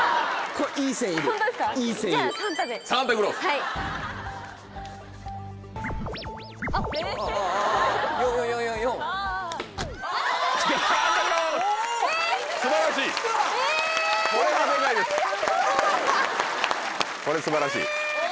これ素晴らしい。